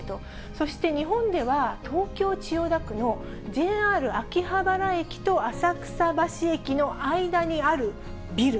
そして、日本では東京・千代田区のＪＲ秋葉原駅と浅草橋駅の間にあるビル。